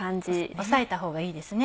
押さえたほうがいいですね。